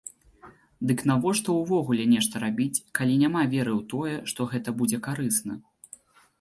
Дык навошта ўвогуле нешта рабіць, калі няма веры ў тое, што гэта будзе карысна?